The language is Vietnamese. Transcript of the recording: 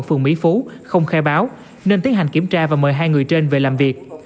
phường mỹ phú không khai báo nên tiến hành kiểm tra và mời hai người trên về làm việc